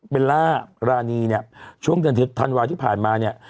ล่ารานีเนี่ยช่วงเดือนธันวาที่ผ่านมาเนี่ย